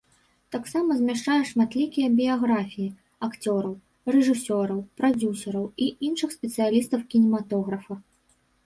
Таксама змяшчае шматлікія біяграфіі акцёраў, рэжысёраў, прадзюсараў і іншых спецыялістаў кінематографа.